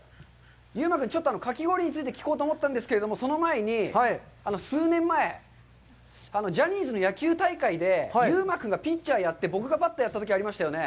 優馬君、ちょっとかき氷について聞こうと思ったんですけど、その前に、数年前、ジャニーズの野球大会で、優馬君がピッチャーをやって僕がバッターやったときありましたよね。